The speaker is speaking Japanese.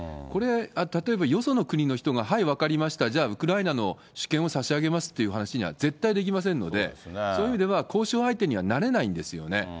これ、例えばよその国の人が、はい、分かりました、じゃあ、ウクライナの主権を差し上げますっていう話には絶対できませんので、そういう意味では、交渉相手にはなれないんですよね。